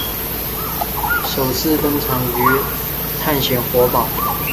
首次登场于探险活宝。